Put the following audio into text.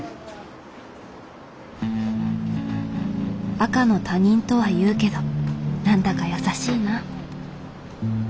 赤の他人とは言うけど何だか優しいな。